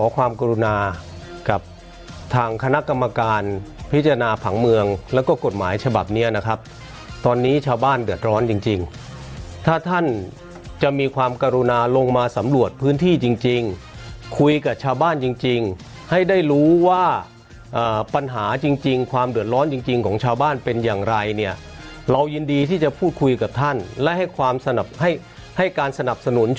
ความกรุณากับทางคณะกรรมการพิจารณาผังเมืองแล้วก็กฎหมายฉบับนี้นะครับตอนนี้ชาวบ้านเดือดร้อนจริงถ้าท่านจะมีความกรุณาลงมาสำรวจพื้นที่จริงคุยกับชาวบ้านจริงให้ได้รู้ว่าปัญหาจริงความเดือดร้อนจริงของชาวบ้านเป็นอย่างไรเนี่ยเรายินดีที่จะพูดคุยกับท่านและให้ความสนับให้ให้การสนับสนุน